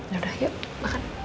yaudah yuk makan